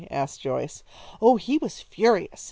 asked Joyce. "Oh, he was furious!